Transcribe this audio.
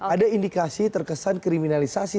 ada indikasi terkesan kriminalisasi